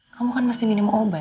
kamu kan masih minum obat